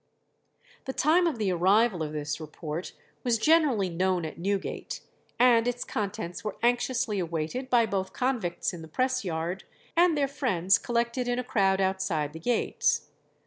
The time of the arrival of this report was generally known at Newgate, and its contents were anxiously awaited by both convicts in the press yard and their friends collected in a crowd outside the gates.